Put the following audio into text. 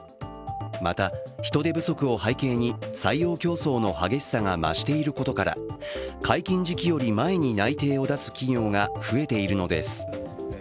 また、人手不足を背景に採用競争の激しさが増していることから解禁時期より前に内定を出す企業が増えているのです。